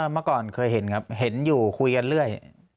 เมื่อก่อนเคยเห็นครับเห็นอยู่คุยกันเรื่อย